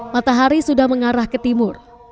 matahari sudah mengarah ke timur